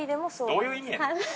◆どういう意味やねん。